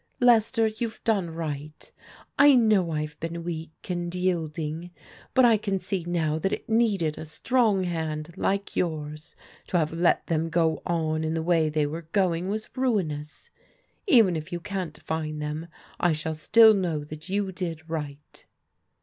" Lester, you've done right. I know I've been weak, and 3rielding, but I can see now that it needed a strong hand like yours. To have let them go on in the way they were going was ruinous. Even if you can't find them, I shall still know that you did right."